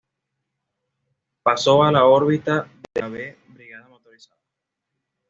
Pasó a la órbita de la V Brigada Motorizada.